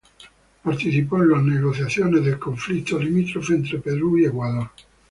Participó en los negociaciones del Conflicto limítrofe entre el Perú y el Ecuador.